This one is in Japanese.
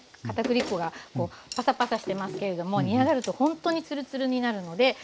かたくり粉がパサパサしてますけれども煮上がるとほんとにつるつるになるので。